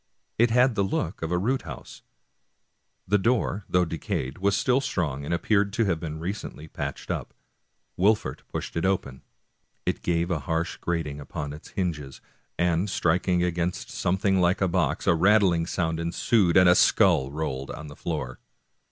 It had the look of a root house.^ Tlie door, though decayed, was still strong, and appeared to have been recently patched up. Wolfert pushed it open. It gave a harsh grating upon its hinges, and striking against something like a box, a rattling sound ensued, and a skull rolled on the floor.